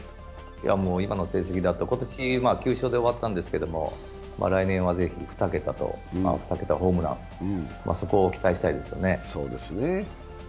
今の成績だと、今年９勝で終わったんですけれど来年はぜひ、２桁と２桁ホームランそこを期待したいですね。